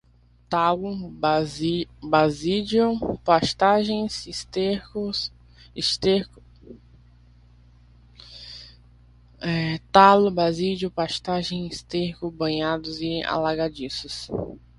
talo, basídio, pastagens, esterco, banhados e alagadiços